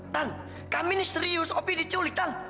tan kami ini serius opi diculik tan